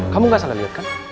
kamu gak salah lihat kan